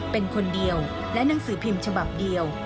เป็นคนเดียวและหนังสือพิมพ์ฉบับเดียว